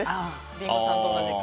リンゴさんと同じく。